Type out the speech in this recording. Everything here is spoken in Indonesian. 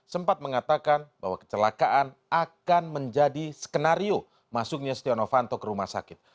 sempat mengatakan bahwa kecelakaan akan menjadi skenario masuknya setia novanto ke rumah sakit